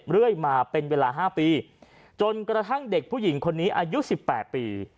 เรื่อยมาเป็นเวลา๕ปีจนกระทั่งเด็กผู้หญิงคนนี้อายุ๑๘ปี